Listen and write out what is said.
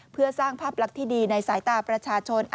เพื่อสร้างภาพลักษณ์ที่ดีในสายตาประชาชน